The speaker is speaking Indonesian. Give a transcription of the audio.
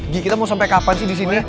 gio kita mau sampe kapan sih disini